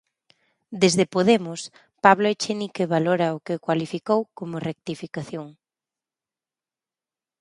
Desde Podemos Pablo Echenique valora o que cualificou como rectificación.